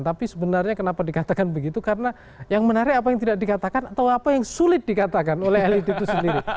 tapi sebenarnya kenapa dikatakan begitu karena yang menarik apa yang tidak dikatakan atau apa yang sulit dikatakan oleh elit itu sendiri